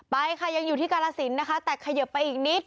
ไปค่ะยังอยู่ที่กาลสินนะคะแต่เขยิบไปอีกนิด